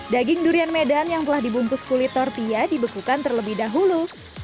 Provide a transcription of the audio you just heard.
daging durian medan yang telah dibungkus kulit tortilla dibekukan terlebih dahulu